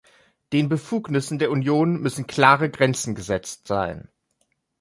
Den Befugnissen der Union müssen klare Grenzen gesetzt sein.